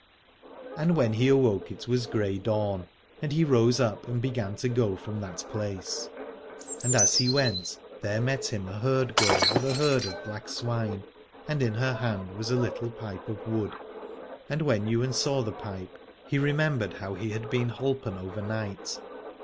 And when he awoke it was grey dawn : and he rose up and began to go from that place. And as he went there met him a herd girl with a herd of black swine, and in her hand was a little pipe of wood, and when Ywain saw the pipe he remembered how he had been holpen overnight.